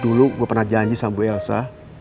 dulu gue pernah janji sama bu elsa